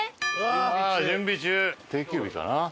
定休日かな？